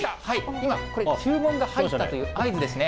今、これ注文が入ったという合図ですね。